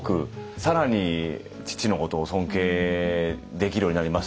更に父のことを尊敬できるようになりましたね今日。